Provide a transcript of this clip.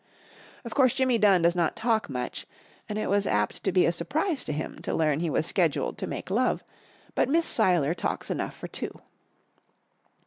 Of course Jimmy Dunn does not talk much, and it was apt to be a surprise to him to learn he was scheduled to make love, but Miss Seiler talks enough for two.